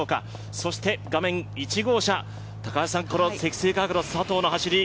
そして画面１号車、高橋さん、積水化学の佐藤の走り。